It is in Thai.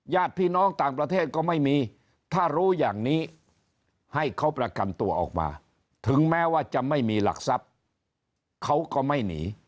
ญาติพี่น้องต่างประเทศก็ไม่มีถ้ารู้อย่างนี้ให้เขาประกันตัวออกมาถึงแม้ว่าจะไม่มีหลักทรัพย์เขาก็ไม่หนี